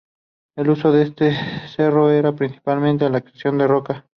El uso de este cerro era principalmente la extracción de roca.